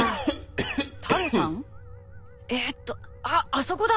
えっとあっあそこだ！